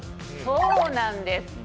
そうなんです。